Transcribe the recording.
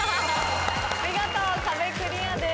見事壁クリアです。